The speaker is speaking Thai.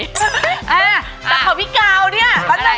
แต่ของพี่กาวเนี่ย